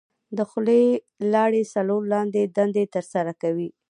د خولې لاړې څلور لاندې دندې تر سره کوي.